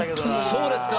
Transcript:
そうですか。